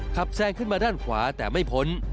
แซงขึ้นมาด้านขวาแต่ไม่พ้น